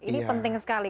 ini penting sekali